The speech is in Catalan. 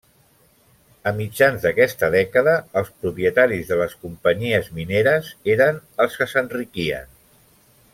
A mitjans d'aquesta dècada, els propietaris de les companyies mineres eren els que s'enriquien.